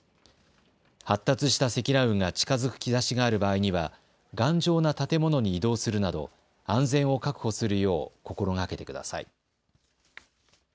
発達した積乱雲が近づく兆しがある場合には頑丈な建物に移動するなど安全を確保するよう心がけてください。